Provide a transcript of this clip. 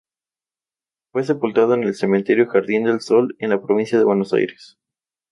Fue sepultada en el Cementerio Jardín del Sol en la provincia de Buenos Aires.